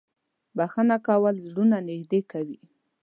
• بښنه کول زړونه نږدې کوي.